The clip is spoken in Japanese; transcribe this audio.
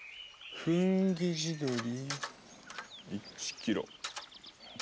フンギ地鶏１キロ。